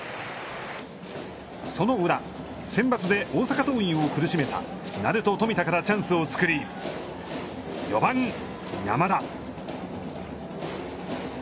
その裏、センバツで大阪桐蔭を苦しめた鳴門、冨田からチャンスを作り４番山田。